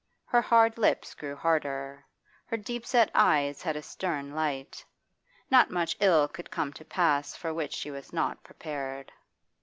Her hard lips grew harder; her deep set eyes had a stern light. Not much ill could come to pass for which she was not prepared.